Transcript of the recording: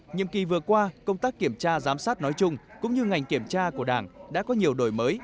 nhiệm kỳ vừa qua công tác kiểm tra giám sát nói chung cũng như ngành kiểm tra của đảng đã có nhiều đổi mới